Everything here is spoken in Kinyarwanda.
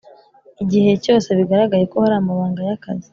Igihe cyose bigaragaye ko haramabanga ya kazi